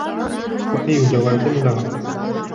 وَأَيُّ جَوَادٍ لَا